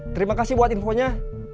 terima kasih buat infonya